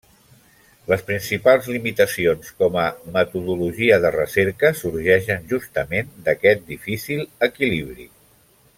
Les principals limitacions com a metodologia de recerca sorgeixen justament d'aquest difícil equilibri.